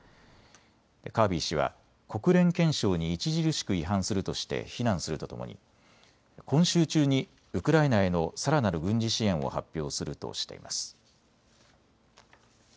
カービー氏は国連憲章に著しく違反するとして非難するとともに今週中にウクライナへのさらなる軍事支援を発表するとしています。